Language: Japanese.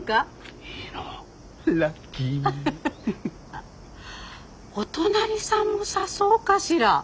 あっお隣さんも誘おうかしら。